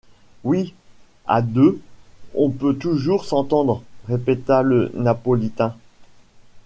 Oui!... à deux on peut toujours s’entendre ! répéta le Napolitain.